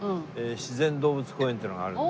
自然動物公園っていうのがあるので。